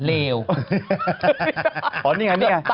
กือบตายไงเลว